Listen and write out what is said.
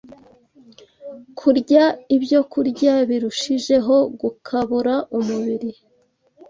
kurya ibyokurya birushijeho gukabura umubiri